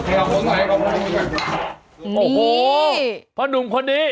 โอ้โหพ่อหนุ่มคนนี้